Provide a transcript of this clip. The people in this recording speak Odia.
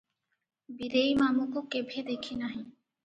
ବୀରେଇ ମାମୁକୁ କେଭେ ଦେଖିନାହିଁ ।